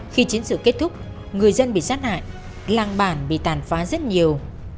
khi chiến sự kết thúc người dân bị sát hại làng bản bị tàn phá rất nhiều